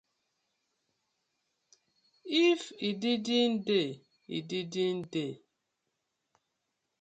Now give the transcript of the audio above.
If e didnʼt dey, e didnʼt dey.